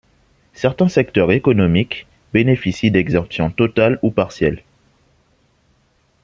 Certains secteurs économiques bénéficient d'exemptions totales ou partielles.